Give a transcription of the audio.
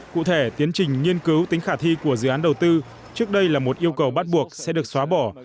cụ thể tiến trình nghiên cứu tính khả thi của dự án đầu tư trước đây là một yêu cầu bắt buộc sẽ được xóa bỏ